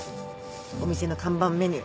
お店の看板メニュー